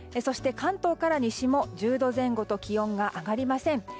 関東から西も１０度前後と気温が上がりません。